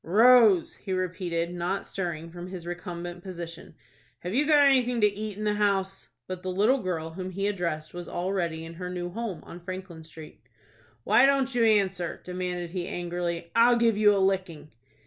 "Rose," he repeated, not stirring from his recumbent position, "have you got anything to eat in the house?" But the little girl whom he addressed was already in her new home on Franklin Street. "Why don't you answer?" demanded he, angrily. "I'll give you a licking."